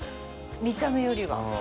見た目よりは。